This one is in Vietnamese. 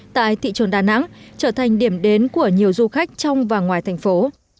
tại thị trường đà nẵng trở thành điểm đến của nhiều du khách trong và ngoài thành phố